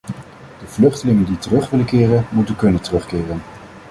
De vluchtelingen die terug willen keren, moeten kunnen terugkeren.